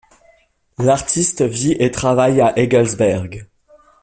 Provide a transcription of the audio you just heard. L'artiste vit et travaille à Eggelsberg.